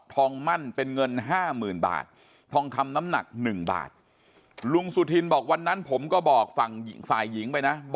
มั่นเป็นเงินห้าหมื่นบาททองคำน้ำหนัก๑บาทลุงสุธินบอกวันนั้นผมก็บอกฝั่งฝ่ายหญิงไปนะ